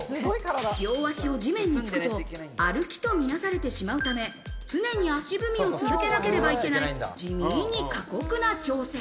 両足を地面に着くと歩きとみなされてしまうため、常に足踏みを続けなければいけない、地味に過酷な挑戦。